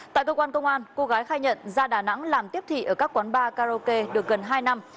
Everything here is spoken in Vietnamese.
tại cơ quan công an cô gái khai nhận ra đà nẵng làm tiếp thị ở các quán bar karaoke được gần hai năm